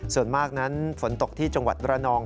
ส่วนมากนั้นฝนตกที่จังหวัดระนอง